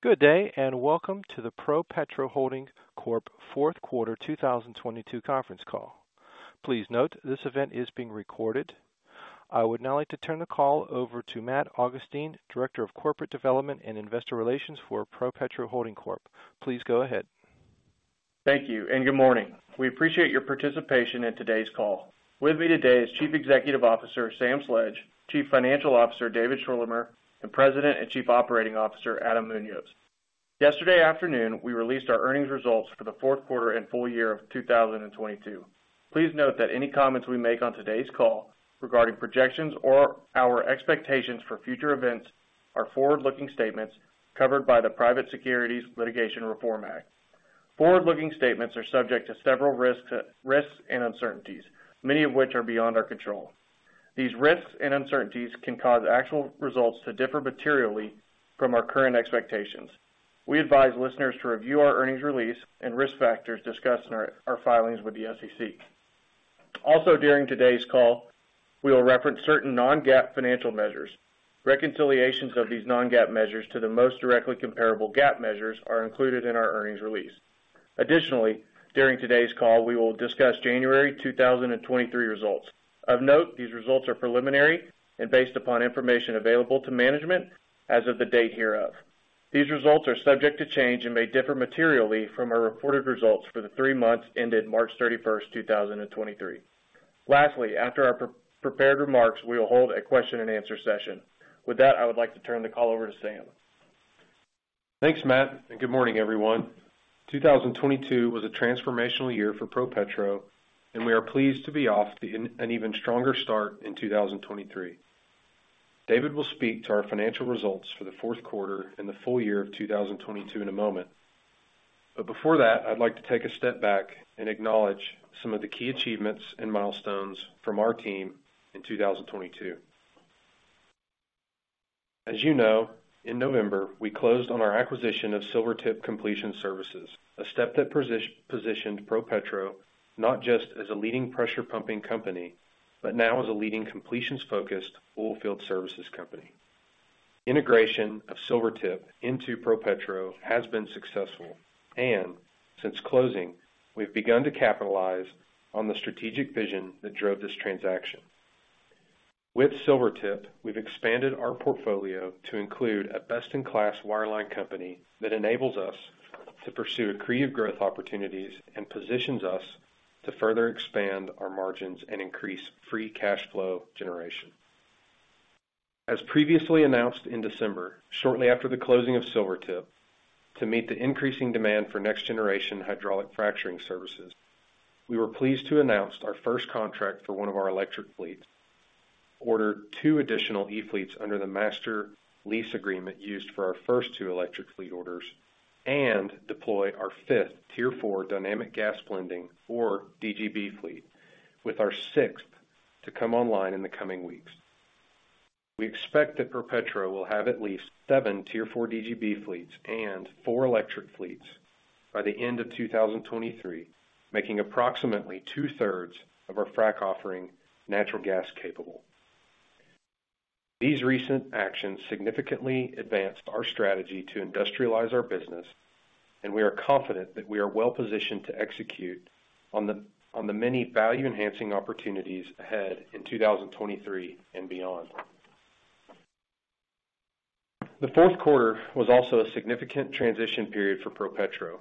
Good day, and welcome to the ProPetro Holding Corp. Fourth Quarter 2022 Conference Call. Please note this event is being recorded. I would now like to turn the call over to Matt Augustine, Director of Corporate Development and Investor Relations for ProPetro Holding Corp. Please go ahead. Thank you. Good morning. We appreciate your participation in today's call. With me today is Chief Executive Officer, Sam Sledge, Chief Financial Officer, David Schorlemer, and President and Chief Operating Officer, Adam Muñoz. Yesterday afternoon, we released our Earnings Results for the fourth quarter and full year of 2022. Please note that any comments we make on today's call regarding projections or our expectations for future events are forward-looking statements covered by the Private Securities Litigation Reform Act. Forward-looking statements are subject to several risks and uncertainties, many of which are beyond our control. These risks and uncertainties can cause actual results to differ materially from our current expectations. We advise listeners to review our earnings release and risk factors discussed in our filings with the SEC. Also, during today's call, we will reference certain non-GAAP financial measures. Reconciliations of these non-GAAP measures to the most directly comparable GAAP measures are included in our earnings release. During today's call, we will discuss January 2023 results. Of note, these results are preliminary and based upon information available to management as of the date hereof. These results are subject to change and may differ materially from our reported results for the three months ended March 31st, 2023. After our pre-prepared remarks, we will hold a question and answer session. With that, I would like to turn the call over to Sam. Thanks, Matt. Good morning, everyone. 2022 was a transformational year for ProPetro, and we are pleased to be off to an even stronger start in 2023. David will speak to our financial results for the fourth quarter and the full year of 2022 in a moment. Before that, I'd like to take a step back and acknowledge some of the key achievements and milestones from our team in 2022. As you know, in November, we closed on our acquisition of Silvertip Completion Services, a step that positioned ProPetro not just as a leading pressure pumping company, but now as a leading completions-focused oilfield services company. Integration of Silvertip into ProPetro has been successful, and since closing, we've begun to capitalize on the strategic vision that drove this transaction. With Silvertip, we've expanded our portfolio to include a best-in-class wireline company that enables us to pursue accretive growth opportunities and positions us to further expand our margins and increase free cash flow generation. As previously announced in December, shortly after the closing of Silvertip, to meet the increasing demand for next-generation hydraulic fracturing services, we were pleased to announce our first contract for one of our electric fleets, order two additional eFleets under the master lease agreement used for our first two electric fleet orders, and deploy our fifth Tier Four dynamic gas blending or DGB fleet, with our sixth to come online in the coming weeks. We expect that ProPetro will have at least seven Tier 4 DGB fleets and four electric fleets by the end of 2023, making approximately 2/3 of our frac offering natural gas capable. These recent actions significantly advanced our strategy to industrialize our business, we are confident that we are well-positioned to execute on the many value-enhancing opportunities ahead in 2023 and beyond. The fourth quarter was also a significant transition period for ProPetro.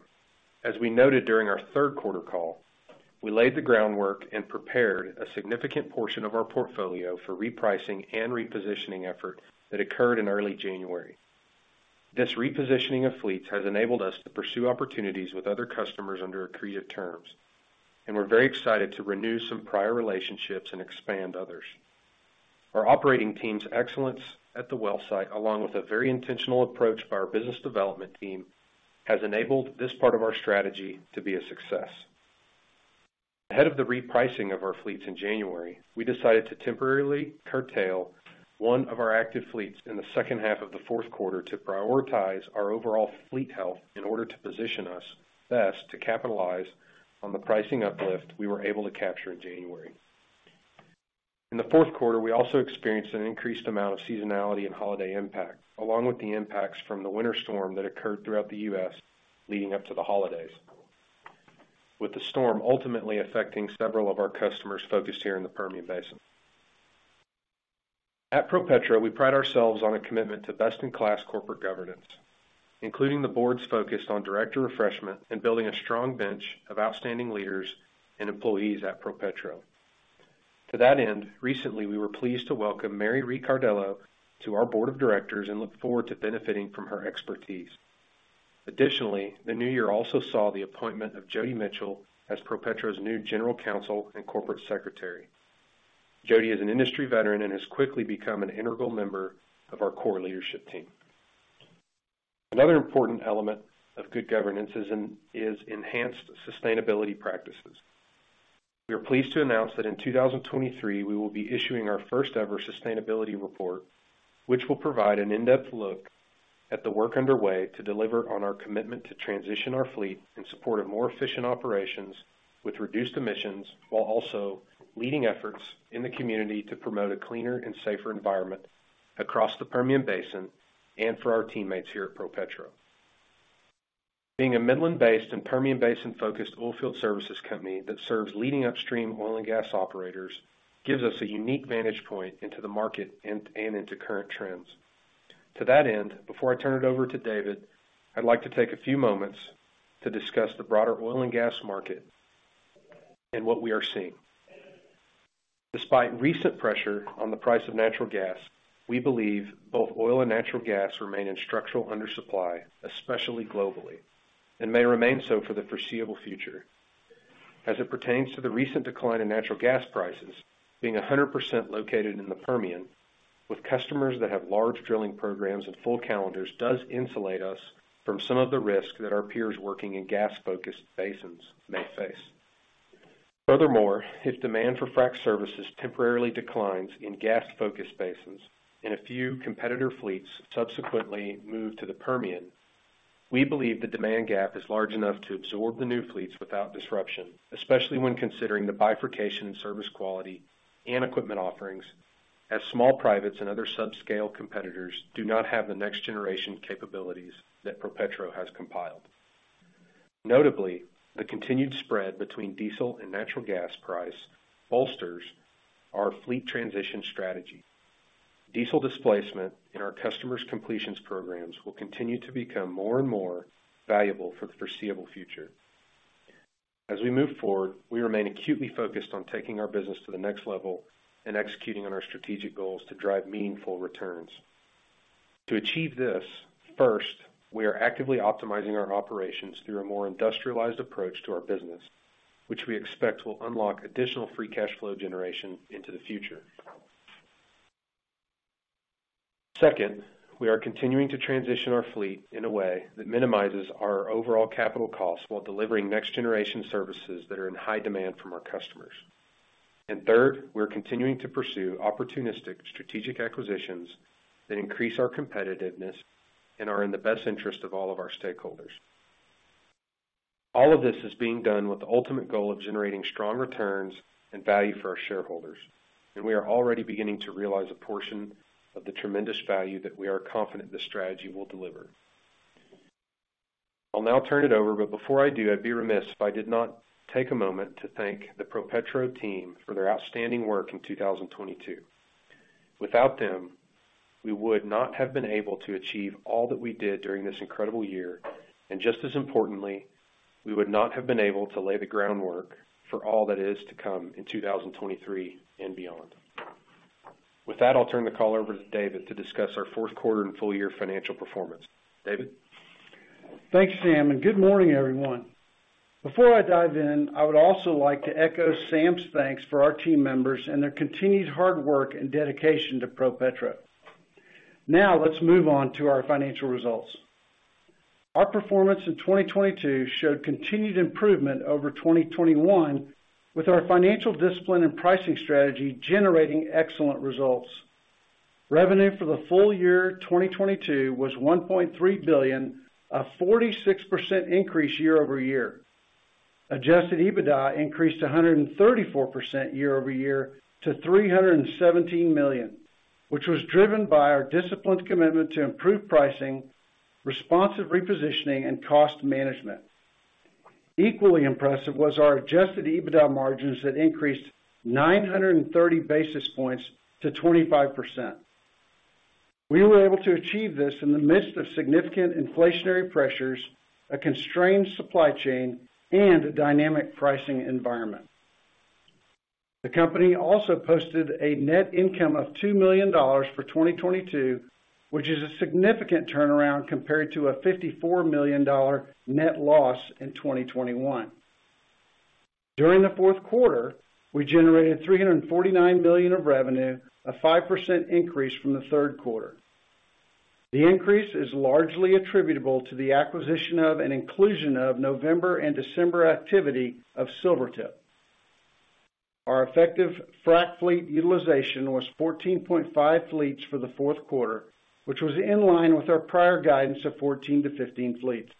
As we noted during our third quarter call, we laid the groundwork and prepared a significant portion of our portfolio for repricing and repositioning effort that occurred in early January. This repositioning of fleets has enabled us to pursue opportunities with other customers under accretive terms, we're very excited to renew some prior relationships and expand others. Our operating team's excellence at the well site, along with a very intentional approach by our business development team, has enabled this part of our strategy to be a success. Ahead of the repricing of our fleets in January, we decided to temporarily curtail one of our active fleets in the second half of the fourth quarter to prioritize our overall fleet health in order to position us best to capitalize on the pricing uplift we were able to capture in January. In the fourth quarter, we also experienced an increased amount of seasonality and holiday impact, along with the impacts from the winter storm that occurred throughout the U.S. leading up to the holidays, with the storm ultimately affecting several of our customers focused here in the Permian Basin. At ProPetro, we pride ourselves on a commitment to best-in-class corporate governance, including the board's focus on director refreshment and building a strong bench of outstanding leaders and employees at ProPetro. To that end, recently, we were pleased to welcome Mary Ricciardello to our board of directors and look forward to benefiting from her expertise. The new year also saw the appointment of Jodi Mitchell as ProPetro's new General Counsel and Corporate Secretary. Jodi is an industry veteran and has quickly become an integral member of our core leadership team. Another important element of good governance is enhanced sustainability practices. We are pleased to announce that in 2023, we will be issuing our first-ever sustainability report, which will provide an in-depth look at the work underway to deliver on our commitment to transition our fleet in support of more efficient operations with reduced emissions, while also leading efforts in the community to promote a cleaner and safer environment across the Permian Basin and for our teammates here at ProPetro. Being a Midland-based and Permian Basin-focused oilfield services company that serves leading upstream oil and gas operators gives us a unique vantage point into the market and into current trends. To that end, before I turn it over to David, I'd like to take a few moments to discuss the broader oil and gas market and what we are seeing. Despite recent pressure on the price of natural gas, we believe both oil and natural gas remain in structural undersupply, especially globally, and may remain so for the foreseeable future. As it pertains to the recent decline in natural gas prices, being a hundred percent located in the Permian with customers that have large drilling programs and full calendars does insulate us from some of the risks that our peers working in gas-focused basins may face. Furthermore, if demand for frack services temporarily declines in gas-focused basins and a few competitor fleets subsequently move to the Permian, we believe the demand gap is large enough to absorb the new fleets without disruption, especially when considering the bifurcation in service quality and equipment offerings, as small privates and other subscale competitors do not have the next generation capabilities that ProPetro has compiled. Notably, the continued spread between diesel and natural gas price bolsters our fleet transition strategy. Diesel displacement in our customers' completions programs will continue to become more and more valuable for the foreseeable future. As we move forward, we remain acutely focused on taking our business to the next level and executing on our strategic goals to drive meaningful returns. To achieve this, first, we are actively optimizing our operations through a more industrialized approach to our business, which we expect will unlock additional free cash flow generation into the future. Second, we are continuing to transition our fleet in a way that minimizes our overall capital costs while delivering next-generation services that are in high demand from our customers. Third, we're continuing to pursue opportunistic strategic acquisitions that increase our competitiveness and are in the best interest of all of our stakeholders. All of this is being done with the ultimate goal of generating strong returns and value for our shareholders, and we are already beginning to realize a portion of the tremendous value that we are confident this strategy will deliver. I'll now turn it over, but before I do, I'd be remiss if I did not take a moment to thank the ProPetro team for their outstanding work in 2022. Without them, we would not have been able to achieve all that we did during this incredible year, and just as importantly, we would not have been able to lay the groundwork for all that is to come in 2023 and beyond. With that, I'll turn the call over to David to discuss our fourth quarter and full year financial performance. David? Thanks, Sam, and good morning, everyone. Before I dive in, I would also like to echo Sam's thanks for our team members and their continued hard work and dedication to ProPetro. Let's move on to our financial results. Our performance in 2022 showed continued improvement over 2021, with our financial discipline and pricing strategy generating excellent results. Revenue for the full year 2022 was $1.3 billion, a 46% increase year-over-year. Adjusted EBITDA increased 134% year-over-year to $317 million, which was driven by our disciplined commitment to improved pricing, responsive repositioning, and cost management. Equally impressive was our adjusted EBITDA margins that increased 930 basis points to 25%. We were able to achieve this in the midst of significant inflationary pressures, a constrained supply chain, and a dynamic pricing environment. The company also posted a net income of $2 million for 2022, which is a significant turnaround compared to a $54 million net loss in 2021. During the fourth quarter, we generated $349 million of revenue, a 5% increase from the third quarter. The increase is largely attributable to the acquisition of and inclusion of November and December activity of Silvertip. Our effective frack fleet utilization was 14.5 fleets for the fourth quarter, which was in line with our prior guidance of 14-15 fleets.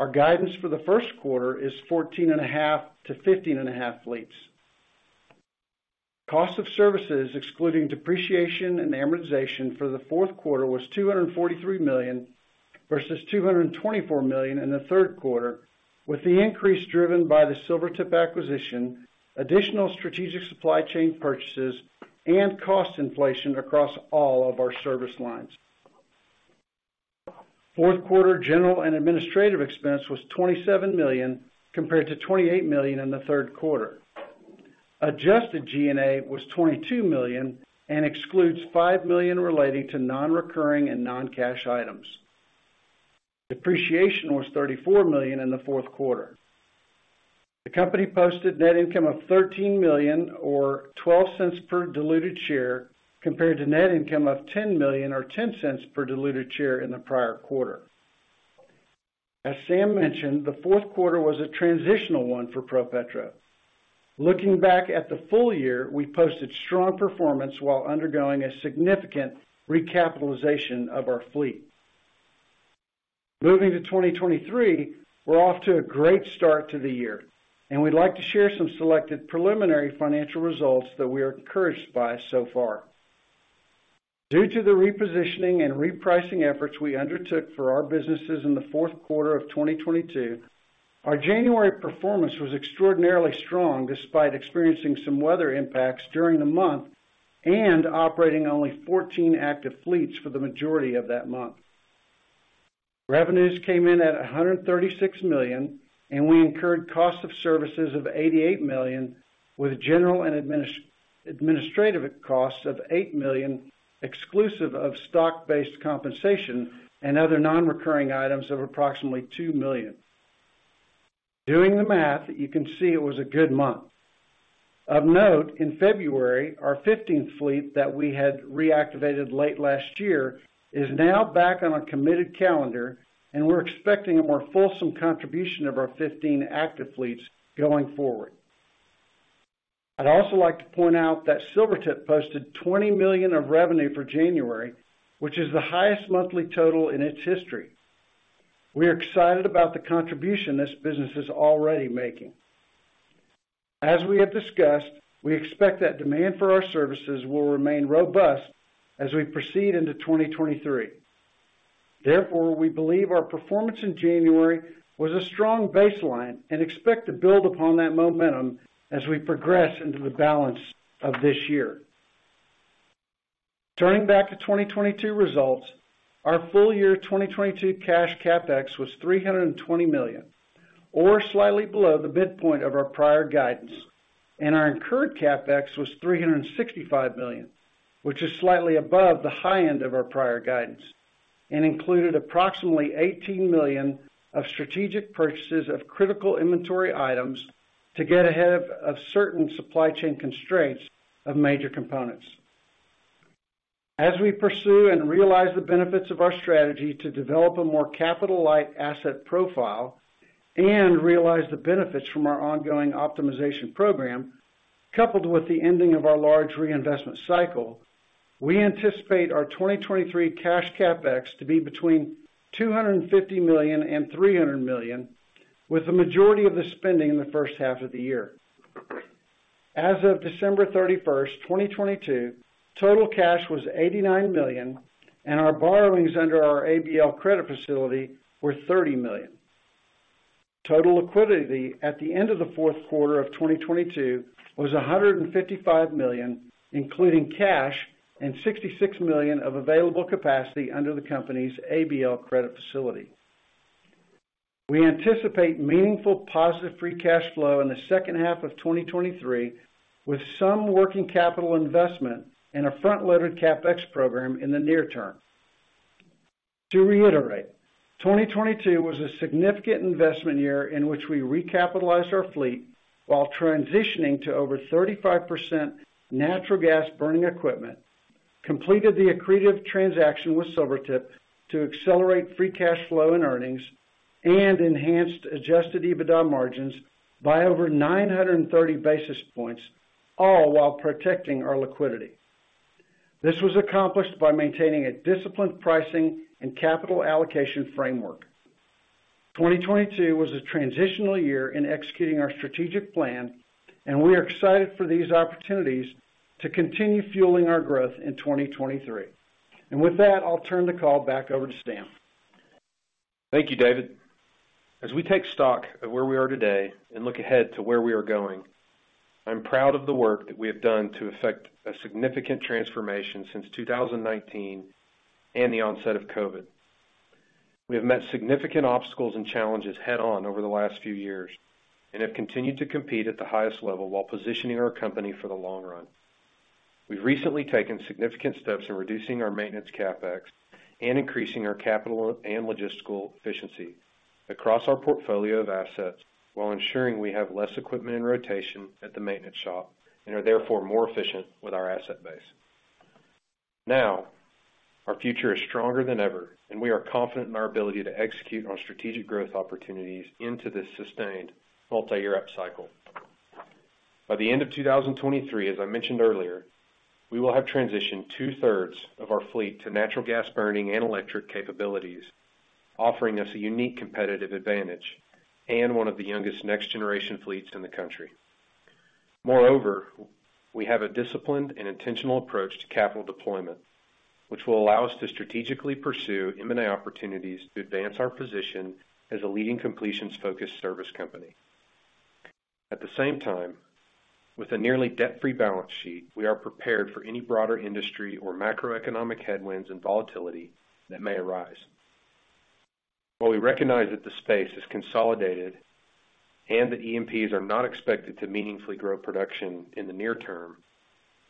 Our guidance for the first quarter is 14.5-15.5 fleets. Cost of services, excluding depreciation and amortization for the fourth quarter, was $243 million versus $224 million in the third quarter, with the increase driven by the Silvertip acquisition, additional strategic supply chain purchases, and cost inflation across all of our service lines. Fourth quarter General and administrative expense was $27 million, compared to $28 million in the third quarter. Adjusted G&A was $22 million and excludes $5 million relating to non-recurring and non-cash items. Depreciation was $34 million in the fourth quarter. The company posted net income of $13 million or $0.12 per diluted share, compared to net income of $10 million or $0.10 per diluted share in the prior quarter. As Sam mentioned, the fourth quarter was a transitional one for ProPetro. Looking back at the full year, we posted strong performance while undergoing a significant recapitalization of our fleet. Moving to 2023, we're off to a great start to the year. We'd like to share some selected preliminary financial results that we are encouraged by so far. Due to the repositioning and repricing efforts we undertook for our businesses in the fourth quarter of 2022, our January performance was extraordinarily strong despite experiencing some weather impacts during the month and operating only 14 active fleets for the majority of that month. Revenues came in at $136 million. We incurred cost of services of $88 million, with general and administrative costs of $8 million, exclusive of stock-based compensation and other non-recurring items of approximately $2 million. Doing the math, you can see it was a good month. Of note, in February, our 15th fleet that we had reactivated late last year is now back on a committed calendar. We're expecting a more fulsome contribution of our 15 active fleets going forward. I'd also like to point out that Silvertip posted $20 million of revenue for January, which is the highest monthly total in its history. We are excited about the contribution this business is already making. As we have discussed, we expect that demand for our services will remain robust as we proceed into 2023. Therefore, we believe our performance in January was a strong baseline and expect to build upon that momentum as we progress into the balance of this year. Turning back to 2022 results, our full year 2022 cash CapEx was $320 million, or slightly below the midpoint of our prior guidance, and our incurred CapEx was $365 million, which is slightly above the high end of our prior guidance and included approximately $18 million of strategic purchases of critical inventory items to get ahead of certain supply chain constraints of major components. As we pursue and realize the benefits of our strategy to develop a more capital light asset profile and realize the benefits from our ongoing optimization program, coupled with the ending of our large reinvestment cycle, we anticipate our 2023 cash CapEx to be between $250 million and $300 million, with the majority of the spending in the first half of the year. As of December 31st, 2022, total cash was $89 million, and our borrowings under our ABL credit facility were $30 million. Total liquidity at the end of the fourth quarter of 2022 was $155 million, including cash and $66 million of available capacity under the company's ABL credit facility. We anticipate meaningful positive free cash flow in the second half of 2023, with some working capital investment in a front-loaded CapEx program in the near term. To reiterate, 2022 was a significant investment year in which we recapitalized our fleet while transitioning to over 35% natural gas burning equipment, completed the accretive transaction with Silvertip to accelerate free cash flow and earnings, and enhanced adjusted EBITDA margins by over 930 basis points, all while protecting our liquidity. This was accomplished by maintaining a disciplined pricing and capital allocation framework. 2022 was a transitional year in executing our strategic plan, and we are excited for these opportunities to continue fueling our growth in 2023. With that, I'll turn the call back over to Sam. Thank you, David. As we take stock of where we are today and look ahead to where we are going, I'm proud of the work that we have done to affect a significant transformation since 2019 and the onset of COVID. We have met significant obstacles and challenges head on over the last few years and have continued to compete at the highest level while positioning our company for the long run. We've recently taken significant steps in reducing our maintenance CapEx and increasing our capital and logistical efficiency across our portfolio of assets while ensuring we have less equipment in rotation at the maintenance shop and are therefore more efficient with our asset base. Now our future is stronger than ever, and we are confident in our ability to execute on strategic growth opportunities into this sustained multi-year upcycle. By the end of 2023, as I mentioned earlier, we will have transitioned two-thirds of our fleet to natural gas burning and electric capabilities, offering us a unique competitive advantage and one of the youngest next generation fleets in the country. Moreover, we have a disciplined and intentional approach to capital deployment, which will allow us to strategically pursue M&A opportunities to advance our position as a leading completions-focused service company. At the same time, with a nearly debt-free balance sheet, we are prepared for any broader industry or macroeconomic headwinds and volatility that may arise. While we recognize that the space is consolidated and that E&Ps are not expected to meaningfully grow production in the near term,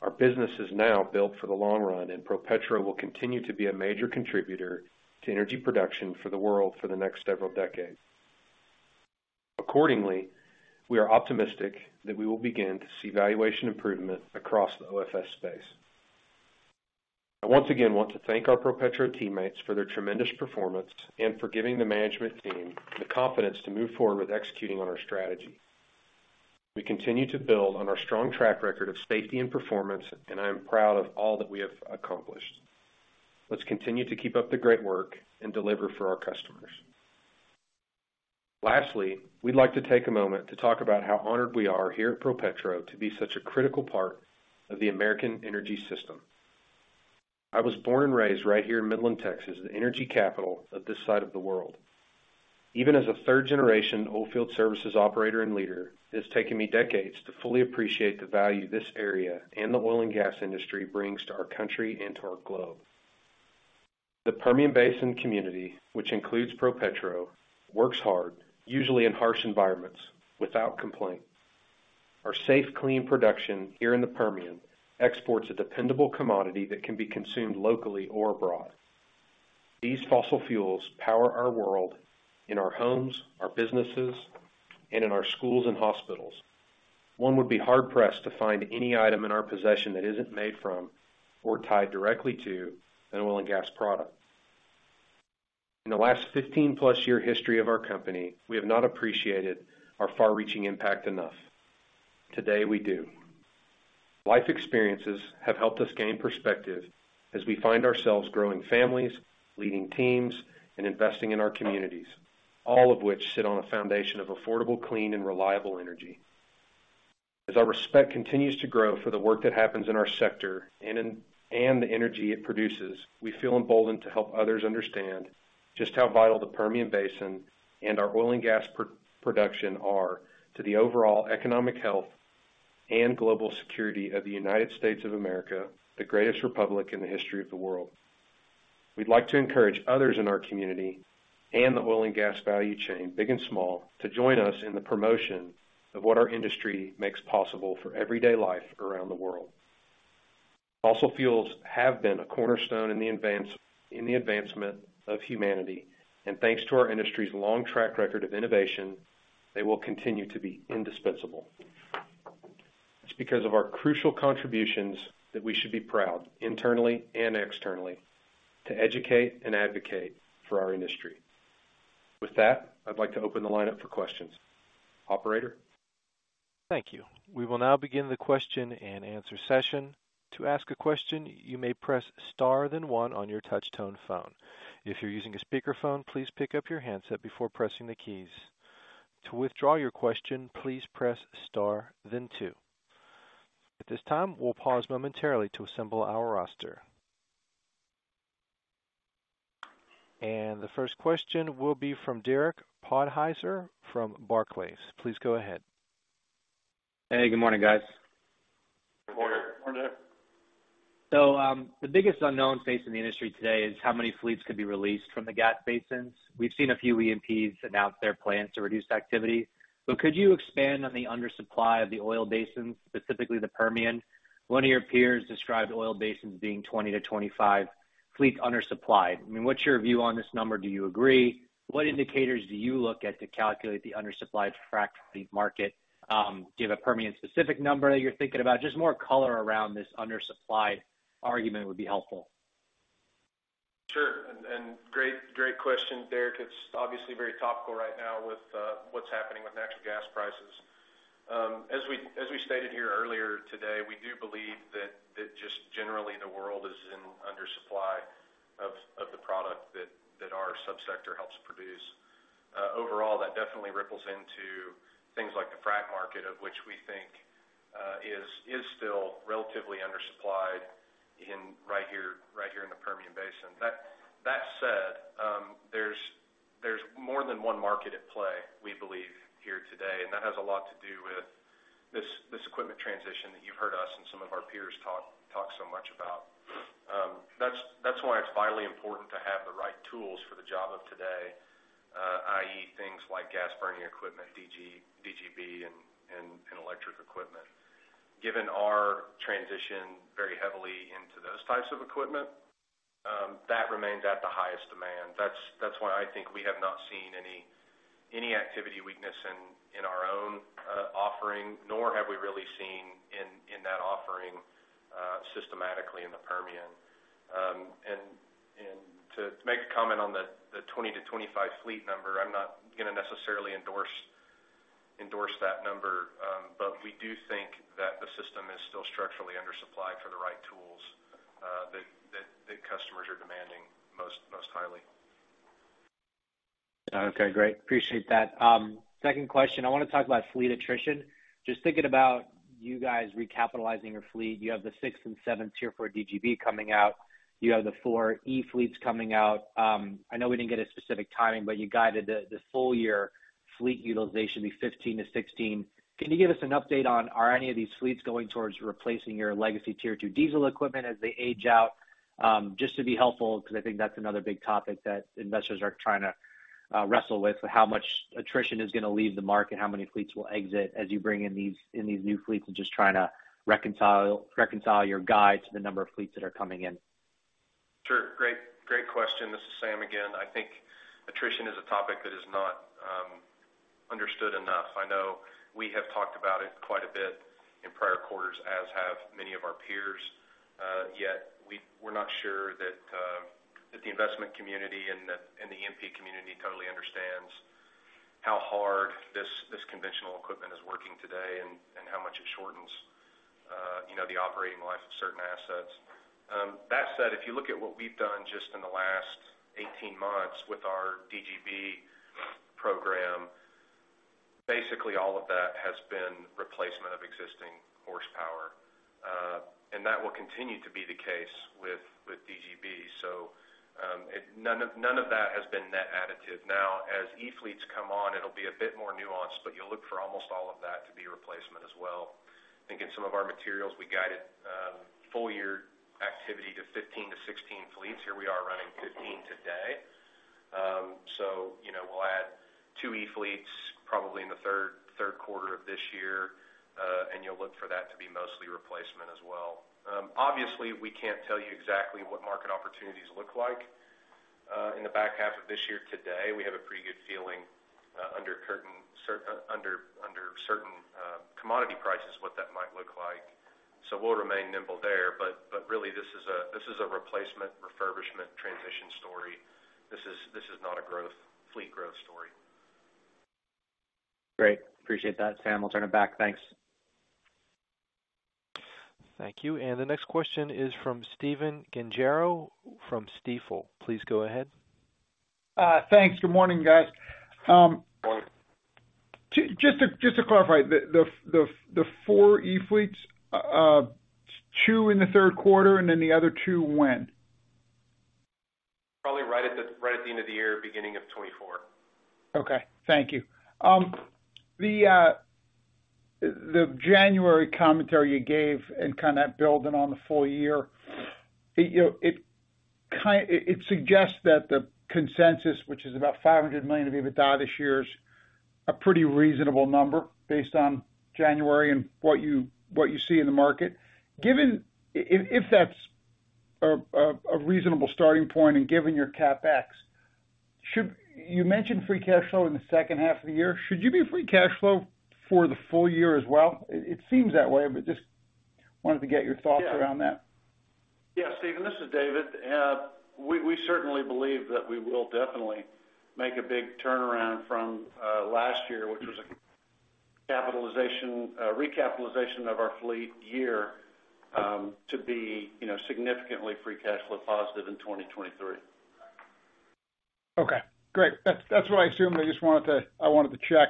our business is now built for the long run, and ProPetro will continue to be a major contributor to energy production for the world for the next several decades. We are optimistic that we will begin to see valuation improvement across the OFS space. I once again want to thank our ProPetro teammates for their tremendous performance and for giving the management team the confidence to move forward with executing on our strategy. We continue to build on our strong track record of safety and performance, and I am proud of all that we have accomplished. Let's continue to keep up the great work and deliver for our customers. We'd like to take a moment to talk about how honored we are here at ProPetro to be such a critical part of the American energy system. I was born and raised right here in Midland, Texas, the energy capital of this side of the world. Even as a 3rd-generation oilfield services operator and leader, it has taken me decades to fully appreciate the value this area and the oil and gas industry brings to our country and to our globe. The Permian Basin community, which includes ProPetro, works hard, usually in harsh environments, without complaint. Our safe, clean production here in the Permian exports a dependable commodity that can be consumed locally or abroad. These fossil fuels power our world in our homes, our businesses, and in our schools and hospitals. One would be hard-pressed to find any item in our possession that isn't made from or tied directly to an oil and gas product. In the last 15-plus year history of our company, we have not appreciated our far-reaching impact enough. Today, we do. Life experiences have helped us gain perspective as we find ourselves growing families, leading teams, and investing in our communities, all of which sit on a foundation of affordable, clean, and reliable energy. As our respect continues to grow for the work that happens in our sector and the energy it produces, we feel emboldened to help others understand just how vital the Permian Basin and our oil and gas pro-production are to the overall economic health and global security of the United States of America, the greatest republic in the history of the world. We'd like to encourage others in our community and the oil and gas value chain, big and small, to join us in the promotion of what our industry makes possible for everyday life around the world. Fossil fuels have been a cornerstone in the advancement of humanity. Thanks to our industry's long track record of innovation, they will continue to be indispensable. It's because of our crucial contributions that we should be proud, internally and externally, to educate and advocate for our industry. With that, I'd like to open the line up for questions. Operator? Thank you. We will now begin the question-and-answer session. To ask a question, you may press star then one on your touch-tone phone. If you're using a speakerphone, please pick up your handset before pressing the keys. To withdraw your question, please press star then two. At this time, we'll pause momentarily to assemble our roster. The first question will be from Derek Podhaizer from Barclays. Please go ahead. Hey, good morning, guys. Good morning. Good morning, Derek. The biggest unknown facing the industry today is how many fleets could be released from the gas basins. We've seen a few E&Ps announce their plans to reduce activity. Could you expand on the undersupply of the oil basins, specifically the Permian? One of your peers described oil basins being 20-25 fleet undersupplied. I mean, what's your view on this number? Do you agree? What indicators do you look at to calculate the undersupplied frac fleet market? Do you have a Permian-specific number that you're thinking about? Just more color around this undersupply argument would be helpful. Sure. Great question, Derek. It's obviously very topical right now with what's happening with natural gas prices. As we stated here earlier today, we do believe that just generally the world is in undersupply of the product that our sub-sector helps produce. Overall, that definitely ripples into things like the frac market, of which we think is still relatively undersupplied right here in the Permian Basin. That said, there's more than one market at play, we believe, here today. That has a lot to do with this equipment transition that you've heard us and some of our peers talk so much about. That's why it's vitally important to have the right tools for the job of today, i.e., things like gas-burning equipment, DGB and electric equipment. Given our transition very heavily into those types of equipment, that remains at the highest demand. That's why I think we have not seen any activity weakness in our own offering, nor have we really seen in that offering systematically in the Permian. To make a comment on the 20 to 25 fleet number, I'm not gonna necessarily endorse that number. We do think that the system is still structurally undersupplied for the right tools, that customers are demanding most highly. Okay. Great. Appreciate that. Second question, I wanna talk about fleet attrition. Just thinking about you guys recapitalizing your fleet, you have the 6th and 7th Tier Four DGB coming out. You have the 4 eFleets coming out. I know we didn't get a specific timing, but you guided the full year fleet utilization be 15-16. Can you give us an update on, are any of these fleets going towards replacing your legacy Tier Two diesel equipment as they age out? Just to be helpful, 'cause I think that's another big topic that investors are trying to wrestle with, how much attrition is gonna leave the market, how many fleets will exit as you bring in these new fleets, and just trying to reconcile your guide to the number of fleets that are coming in. Sure. Great, great question. This is Sam again. I think attrition is a topic that is not understood enough. I know we have talked about it quite a bit in prior quarters, as have many of our peers. Yet we're not sure that the investment community and the E&P community totally understands how hard this conventional equipment is working today and how much it shortens. You know, the operating life of certain assets. That said, if you look at what we've done just in the last 18 months with our DGB program, basically all of that has been replacement of existing horsepower. And that will continue to be the case with DGB. None of that has been net additive. As eFleets come on, it'll be a bit more nuanced, but you'll look for almost all of that to be replacement as well. I think in some of our materials, we guided full year activity to 15-16 fleets. Here we are running 15 today. You know, we'll add two eFleets probably in the third quarter of this year, and you'll look for that to be mostly replacement as well. Obviously, we can't tell you exactly what market opportunities look like in the back half of this year today. We have a pretty good feeling under certain commodity prices, what that might look like. We'll remain nimble there, but really this is a replacement refurbishment transition story. This is not a fleet growth story. Great. Appreciate that, Sam. We'll turn it back. Thanks. Thank you. The next question is from Stephen Gengaro from Stifel. Please go ahead. Thanks. Good morning, guys. Morning. Just to clarify, the four eFleets, two in the third quarter and then the other two when? Probably right at the end of the year, beginning of 2024. Okay. Thank you. The January commentary you gave and kinda building on the full year, it, you know, it suggests that the consensus, which is about $500 million of EBITDA this year, is a pretty reasonable number based on January and what you see in the market. If that's a reasonable starting point and given your CapEx, you mentioned free cash flow in the second half of the year. Should you be free cash flow for the full year as well? It seems that way, but just wanted to get your thoughts around that. Yeah. Yeah. Stephen, this is David. We certainly believe that we will definitely make a big turnaround from last year, which was a recapitalization of our fleet year, to be, you know, significantly free cash flow positive in 2023. Okay, great. That's what I assumed. I just wanted to check.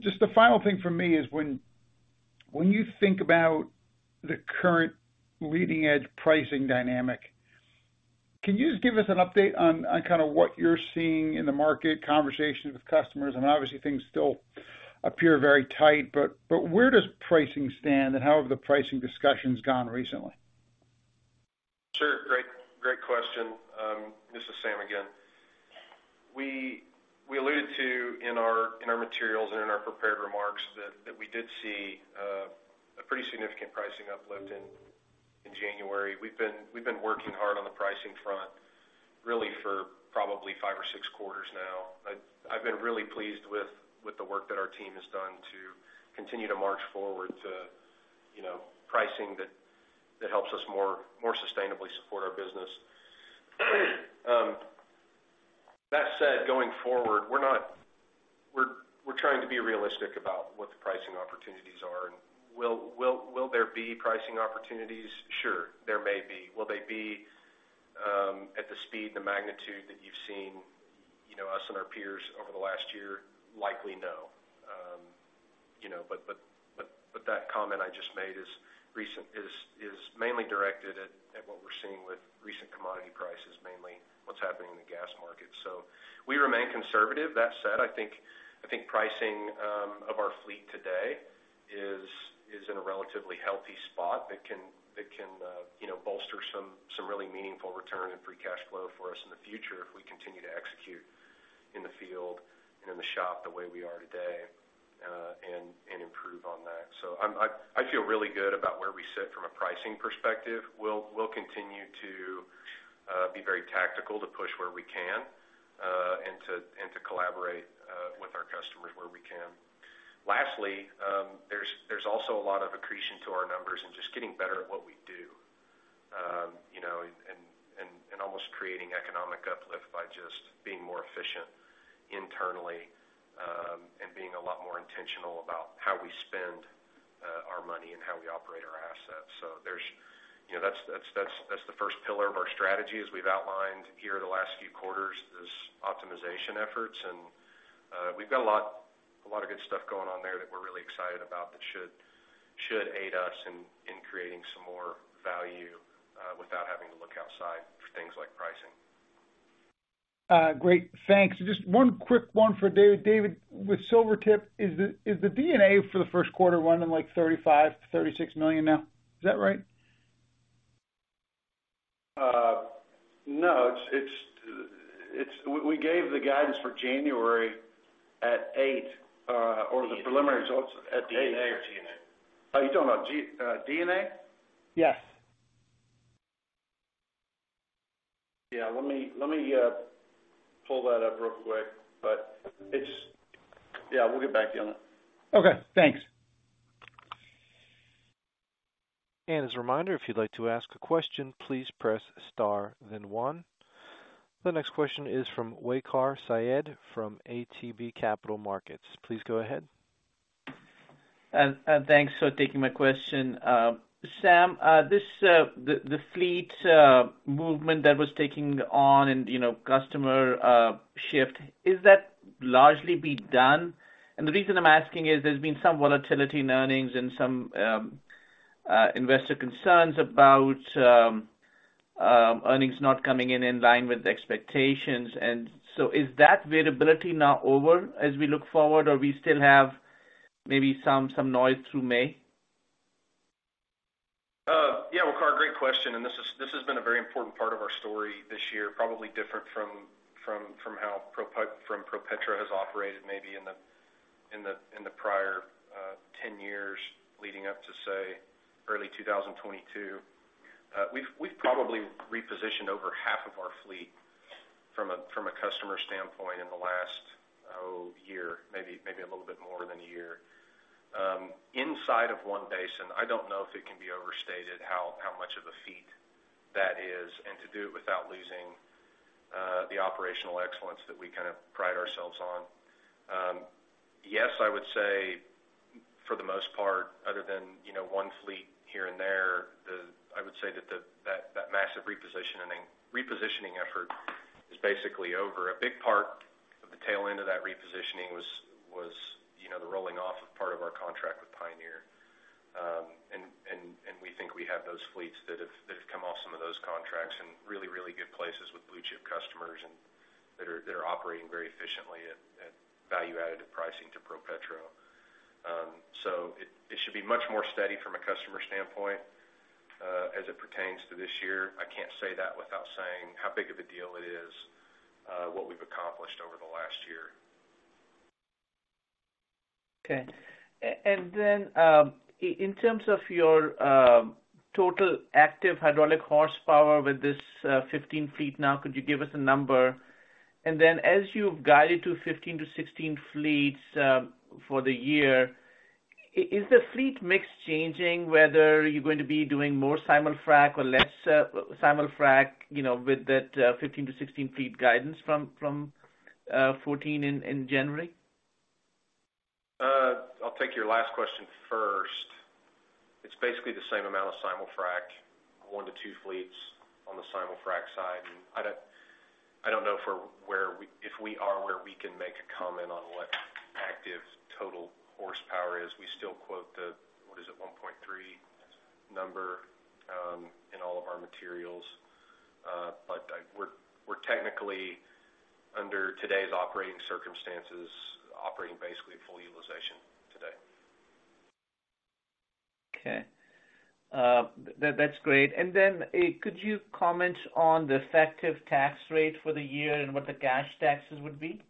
Just the final thing for me is when you think about the current leading-edge pricing dynamic, can you just give us an update on kinda what you're seeing in the market, conversations with customers? Obviously, things still appear very tight, but where does pricing stand? How have the pricing discussions gone recently? Sure. Great question. This is Sam again. We alluded to in our materials and in our prepared remarks that we did see a pretty significant pricing uplift in January. We've been working hard on the pricing front really for probably 5 or 6 quarters now. I've been really pleased with the work that our team has done to continue to march forward to, you know, pricing that helps us more sustainably support our business. That said, going forward, we're trying to be realistic about what the pricing opportunities are. Will there be pricing opportunities? Sure. There may be. Will they be at the speed and the magnitude that you've seen, you know, us and our peers over the last year? Likely no. you know, but that comment I just made is mainly directed at what we're seeing with recent commodity prices, mainly what's happening in the gas market. We remain conservative. That said, I think pricing of our fleet today is in a relatively healthy spot that can, you know, bolster some really meaningful return in free cash flow for us in the future if we continue to execute in the field and in the shop the way we are today and improve on that. I feel really good about where we sit from a pricing perspective. We'll continue to be very tactical to push where we can and to collaborate with our customers where we can. Lastly, there's also a lot of accretion to our numbers and just getting better at what we do, you know, and almost creating economic uplift by just being more efficient internally, and being a lot more intentional about how we spend our money and how we operate our assets. You know, that's the first pillar of our strategy, as we've outlined here the last few quarters, is optimization efforts. We've got a lot of good stuff going on there that we're really excited about that should aid us in creating some more value without having to look outside for things like pricing. Great. Thanks. Just one quick one for David. David, with Silvertip, is the DNA for the first quarter running like $35 million-$36 million now? Is that right? No. It's... We gave the guidance for January at 8. Eight. The preliminary results at eight. DNA or G&A? Oh, you're talking about DNA? Yes. Yeah. Let me pull that up real quick. Yeah, we'll get back to you on that. Okay. Thanks. As a reminder, if you'd like to ask a question, please press star then one. The next question is from Waqar Syed from ATB Capital Markets. Please go ahead. Thanks for taking my question. Sam, this, the fleet movement that was taking on and, you know, customer shift, is that largely be done? The reason I'm asking is there's been some volatility in earnings and some investor concerns about earnings not coming in in line with expectations. Is that variability now over as we look forward, or we still have maybe some noise through May? Yeah, Waqar, great question. This has been a very important part of our story this year, probably different from how ProPetro has operated maybe in the prior 10 years leading up to, say, early 2022. We've probably repositioned over half of our fleet from a customer standpoint in the last, year, maybe a little bit more than a year. Inside of 1 basin, I don't know if it can be overstated how much of a feat that is and to do it without losing the operational excellence that we kind of pride ourselves on. Yes, I would say for the most part, other than, you know, one fleet here and there, the... I would say that that massive repositioning effort is basically over. A big part of the tail end of that repositioning was, you know, the rolling off of part of our contract with Pioneer. We think we have those fleets that have come off some of those contracts in really good places with blue chip customers and that are operating very efficiently at value-added pricing to ProPetro. It should be much more steady from a customer standpoint as it pertains to this year. I can't say that without saying how big of a deal it is what we've accomplished over the last year. Okay. Then, in terms of your total active hydraulic horsepower with this 15 fleet now, could you give us a number? Then as you've guided to 15-16 fleets for the year, is the fleet mix changing whether you're going to be doing more simul-frac or less simul-frac, you know, with that 15-16 fleet guidance from 14 in January? I'll take your last question first. It's basically the same amount of simul-frac, one to two fleets on the simul-frac side. I don't, I don't know for if we are where we can make a comment on what active total horsepower is. We still quote the, what is it, 1.3 number in all of our materials. But we're technically under today's operating circumstances, operating basically at full utilization today. Okay. That's great. Then, could you comment on the effective tax rate for the year and what the cash taxes would be?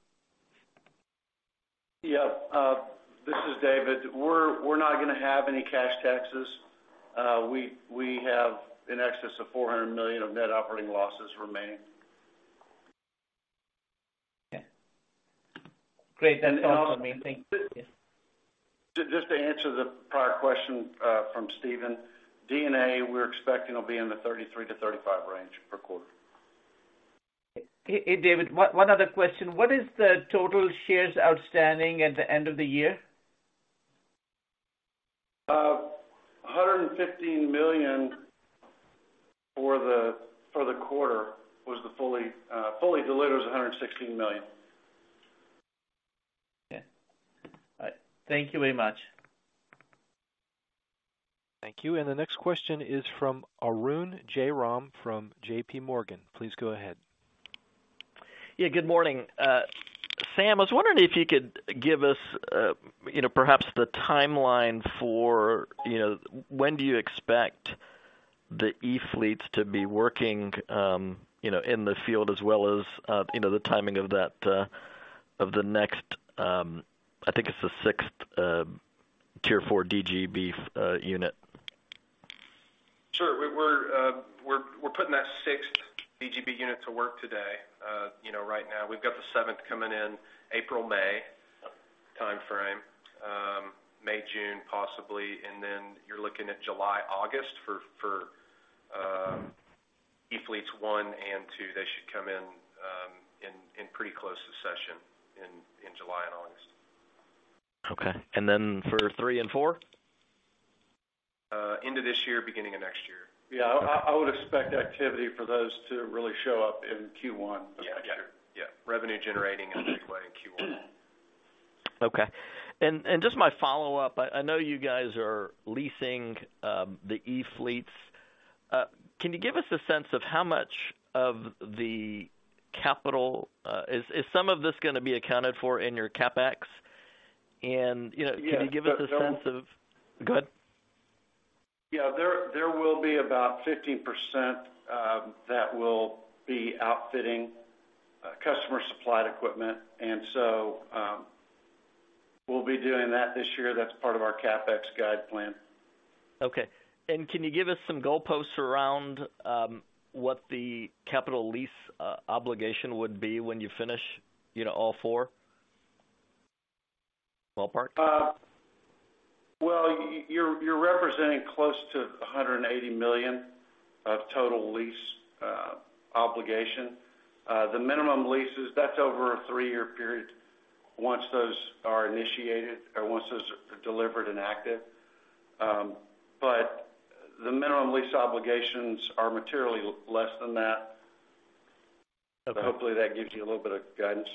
Yeah. This is David. We're not gonna have any cash taxes. We have in excess of $400 million of net operating losses remaining. Okay. Great. That's all for me. Thank you. Just to answer the prior question, from Stephen, DNA we're expecting will be in the $33-$35 range per quarter. Hey, David, one other question. What is the total shares outstanding at the end of the year? $115 million for the quarter was the fully diluted was $116 million. Okay. All right. Thank you very much. Thank you. The next question is from Arun Jayaram from JPMorgan. Please go ahead. Yeah, good morning. Sam, I was wondering if you could give us, you know, perhaps the timeline for, you know, when do you expect the eFleets to be working, you know, in the field as well as, you know, the timing of that of the next, I think it's the sixth Tier Four DGB unit. Sure. We're putting that sixth DGB unit to work today, you know, right now. We've got the seventh coming in April, May timeframe, May, June, possibly. Then you're looking at July, August for E fleets one and two. They should come in pretty close succession in July and August. Okay. For three and four? End of this year, beginning of next year. Yeah. I would expect activity for those to really show up in Q1 of next year. Yeah. Revenue generating anyway in Q1. Okay. Just my follow-up. I know you guys are leasing the eFleets. Can you give us a sense of how much of the capital? Is some of this gonna be accounted for in your CapEx? You know, can you give us a sense of. Yeah. Go ahead. Yeah. There will be about 15% that will be outfitting customer-supplied equipment, and so we'll be doing that this year. That's part of our CapEx guide plan. Okay. Can you give us some goalposts around what the capital lease obligation would be when you finish, you know, all four? You're representing close to $180 million of total lease obligation. The minimum leases, that's over a three-year period once those are initiated or once those are delivered and active. The minimum lease obligations are materially less than that. Okay. Hopefully that gives you a little bit of guidance.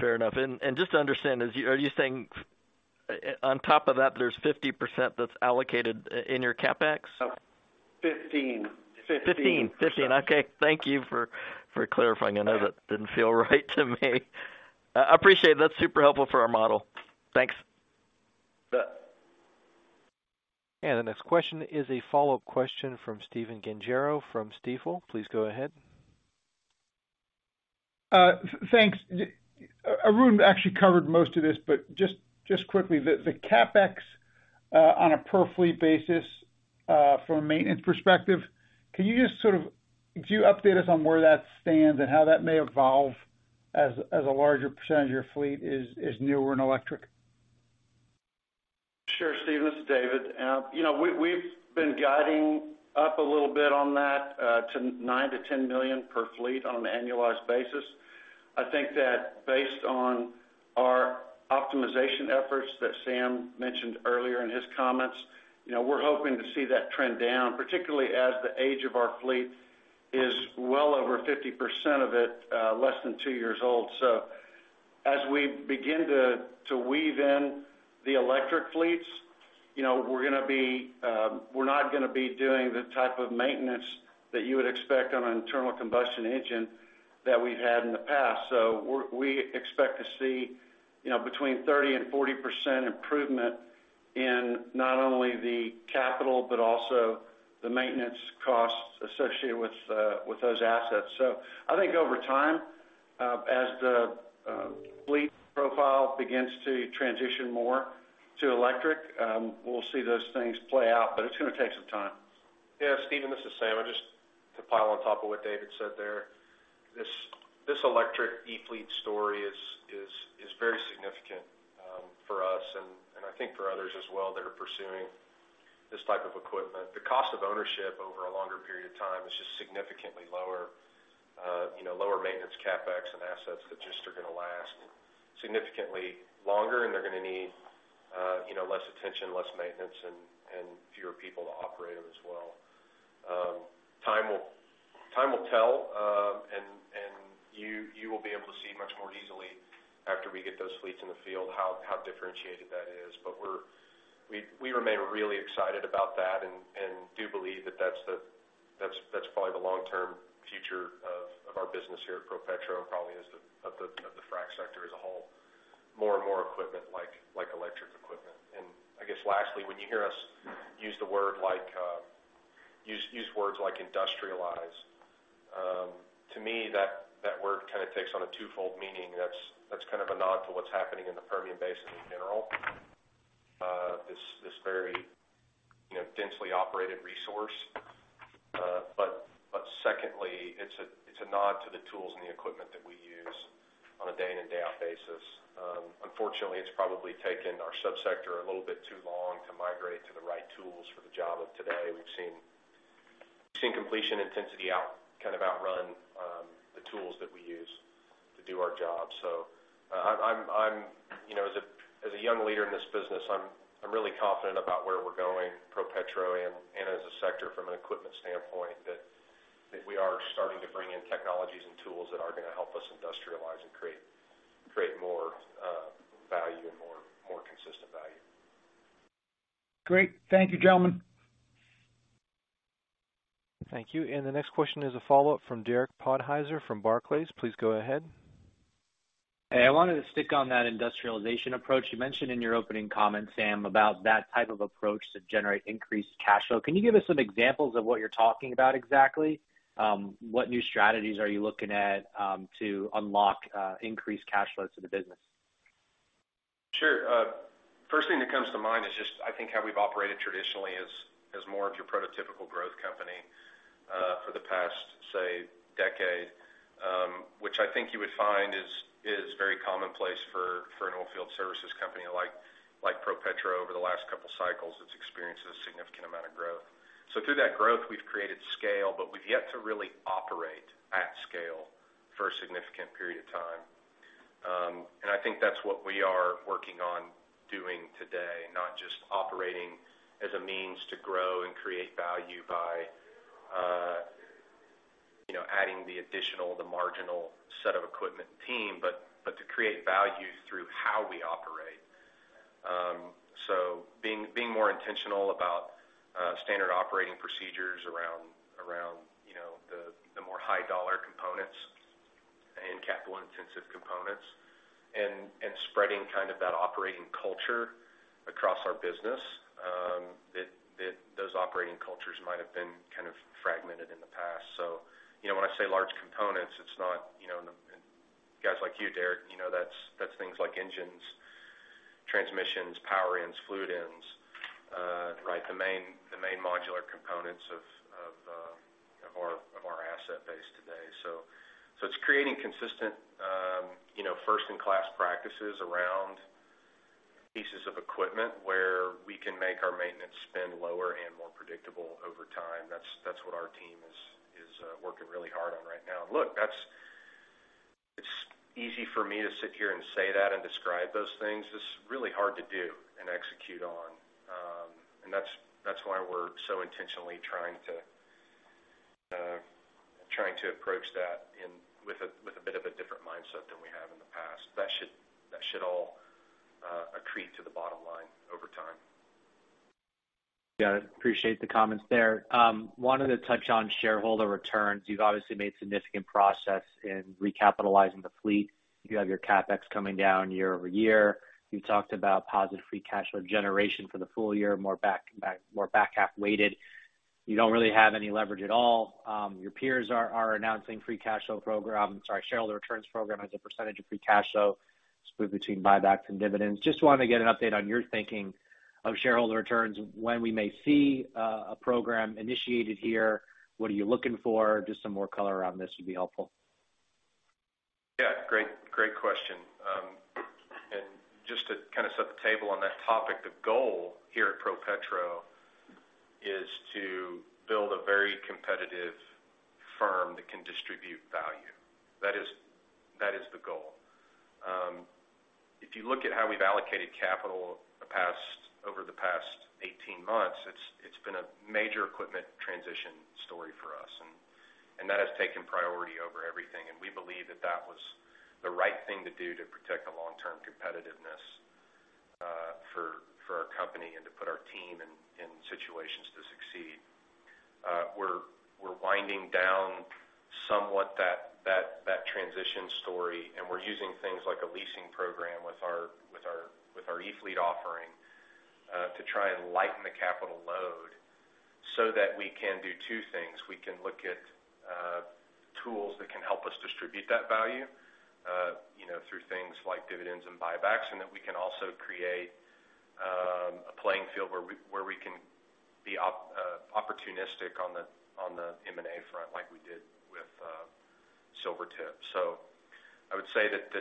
Fair enough. Just to understand, are you saying on top of that, there's 50% that's allocated in your CapEx? 15%. 15, okay. Thank you for clarifying on that. That didn't feel right to me. I appreciate it. That's super helpful for our model. Thanks. Yeah. The next question is a follow-up question from Stephen Gengaro from Stifel. Please go ahead. Thanks. Arun actually covered most of this, but just quickly, the CapEx, on a per fleet basis, from a maintenance perspective, can you just could you update us on where that stands and how that may evolve as a larger percentage of your fleet is newer and electric? Sure, Stephen, this is David. You know, we've been guiding up a little bit on that to $9 million-$10 million per fleet on an annualized basis. I think that based on our optimization efforts that Sam mentioned earlier in his comments, you know, we're hoping to see that trend down, particularly as the age of our fleet is well over 50% of it, less than two years old. As we begin to weave in the electric fleets, you know, we're gonna be, we're not gonna be doing the type of maintenance that you would expect on an internal combustion engine that we've had in the past. We expect to see, you know, between 30% and 40% improvement in not only the capital, but also the maintenance costs associated with those assets. I think over time, as the fleet profile begins to transition more to electric, we'll see those things play out, but it's gonna take some time. Yeah, Stephen, this is Sam. Just to pile on top of what David said there. This electric E-Fleet story is very significant for us and I think for others as well that are pursuing this type of equipment. The cost of ownership over a longer period of time is just significantly lower, you know, lower maintenance CapEx and assets that just are gonna last significantly longer, and they're gonna need, you know, less attention, less maintenance, and fewer people to operate them as well. Time will tell, and you will be able to see much more easily after we get those fleets in the field how differentiated that is. We remain really excited about that and do believe that that's probably the long-term future of our business here at ProPetro, probably of the frack sector as a whole, more and more equipment like electric equipment. I guess lastly, when you hear us use the word like, use words like industrialize, to me, that word kind of takes on a twofold meaning. That's kind of a nod to what's happening in the Permian Basin in general, this very, you know, densely operated resource. But secondly, it's a nod to the tools and the equipment that we use on a day in and day out basis. Unfortunately, it's probably taken our subsector a little bit too long to migrate to the right tools for the job of today. We've seen completion intensity kind of outrun the tools that we use to do our job. I'm... You know, as a, as a young leader in this business, I'm really confident about where we're going, ProPetro and as a sector from an equipment standpoint, that we are starting to bring in technologies and tools that are gonna help us industrialize and create more value and more consistent value. Great. Thank you, gentlemen. Thank you. The next question is a follow-up from Derek Podhaizer from Barclays. Please go ahead. Hey, I wanted to stick on that industrialization approach. You mentioned in your opening comment, Sam, about that type of approach to generate increased cash flow. Can you give us some examples of what you're talking about exactly? What new strategies are you looking at to unlock increased cash flows to the business? Sure. First thing that comes to mind is just, I think how we've operated traditionally as more of your prototypical growth company, for the past, say, decade, which I think you would find is very commonplace for an oilfield services company like ProPetro over the last couple cycles, it's experienced a significant amount of growth. Through that growth, we've created scale, but we've yet to really operate at scale for a significant period of time. I think that's what we are working on doing today, not just operating as a means to grow and create value by, you know, adding the additional, the marginal set of equipment team, but to create value through how we operate. Being more intentional about standard operating procedures around, you know, the more high dollar components and capital intensive components and spreading kind of that operating culture across our business, that those operating cultures might have been kind of fragmented in the past. You know, when I say large components, it's not, you know, Guys like you, Derek, you know that's things like engines, transmissions, power ends, fluid ends. Right, the main modular components of our asset base today. It's creating consistent, you know, first-in-class practices around pieces of equipment where we can make our maintenance spend lower and more predictable over time. That's what our team is working really hard on right now. Look. It's easy for me to sit here and say that and describe those things. It's really hard to do and execute on. That's, that's why we're so intentionally trying to, trying to approach that with a bit of a different mindset than we have in the past. That should, that should all accrete to the bottom line over time. Appreciate the comments there. Wanted to touch on shareholder returns. You've obviously made significant process in recapitalizing the fleet. You have your CapEx coming down year-over-year. You talked about positive free cash flow generation for the full year, more back-half weighted. You don't really have any leverage at all. Your peers are announcing free cash flow program, sorry, shareholder returns program as a percentage of free cash flow split between buybacks and dividends. Just wanted to get an update on your thinking of shareholder returns, when we may see a program initiated here. What are you looking for? Just some more color around this would be helpful. Yeah. Great question. Just to kind of set the table on that topic, the goal here at ProPetro is to build a very competitive firm that can distribute value. That is the goal. If you look at how we've allocated capital over the past 18 months, it's been a major equipment transition story for us, and that has taken priority over everything. We believe that that was the right thing to do to protect the long-term competitiveness for our company and to put our team in situations to succeed. We're winding down somewhat that transition story, and we're using things like a leasing program with our eFleet offering to try and lighten the capital load so that we can do two things. We can look at tools that can help us distribute that value, you know, through things like dividends and buybacks, and that we can also create a playing field where we, where we can be opportunistic on the M&A front, like we did with Silvertip. I would say that,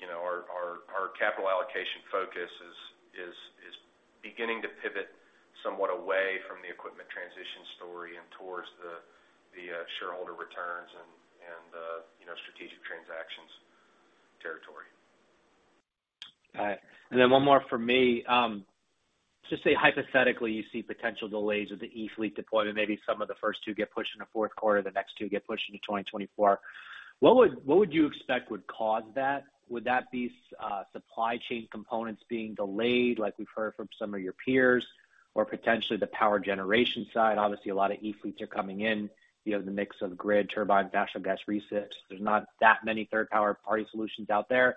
you know, our, our capital allocation focus is, is beginning to pivot somewhat away from the equipment transition story and towards the, shareholder returns and, you know, strategic transactions territory. All right. One more from me. Just say hypothetically, you see potential delays with the eFleet deployment. Maybe some of the first 2 get pushed into fourth quarter, the next 2 get pushed into 2024. What would you expect would cause that? Would that be supply chain components being delayed, like we've heard from some of your peers? Or potentially the power generation side? Obviously, a lot of eFleets are coming in. You have the mix of grid turbine, natural gas resips. There's not that many third-party solutions out there.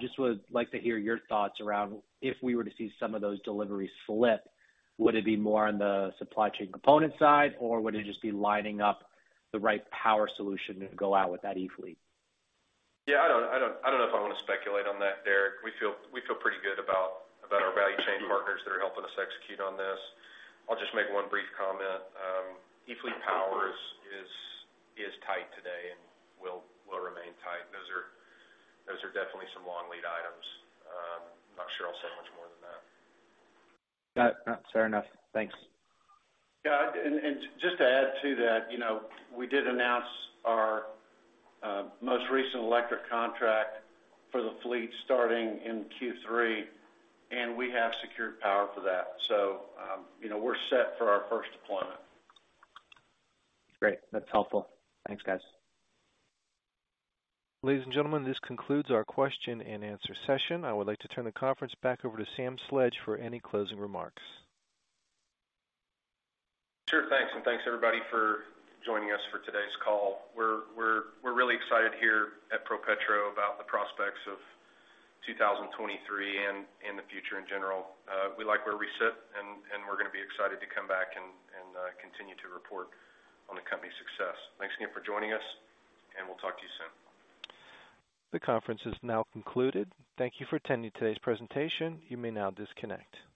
Just would like to hear your thoughts around if we were to see some of those deliveries slip, would it be more on the supply chain component side, or would it just be lining up the right power solution to go out with that eFleet? Yeah. I don't know if I want to speculate on that, Derek. We feel pretty good about our value chain partners that are helping us execute on this. I'll just make one brief comment. eFleet power is tight today and will remain tight. Those are definitely some long lead items. I'm not sure I'll say much more than that. No, no, fair enough. Thanks. Yeah. Just to add to that, you know, we did announce our most recent electric contract for the fleet starting in Q3, and we have secured power for that. You know, we're set for our first deployment. Great. That's helpful. Thanks, guys. Ladies and gentlemen, this concludes our question-and-answer session. I would like to turn the conference back over to Sam Sledge for any closing remarks. Sure. Thanks. Thanks, everybody, for joining us for today's call. We're really excited here at ProPetro about the prospects of 2023 and in the future in general. We like where we sit, and we're gonna be excited to come back and continue to report on the company's success. Thanks again for joining us, and we'll talk to you soon. The conference is now concluded. Thank you for attending today's presentation. You may now disconnect.